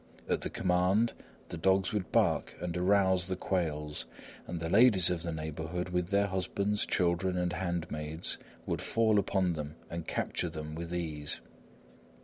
At the command, the dogs would bark and arouse the quails; and the ladies of the neighbourhood, with their husbands, children and hand maids, would fall upon them and capture them with ease.